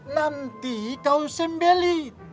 nanti kau sembelit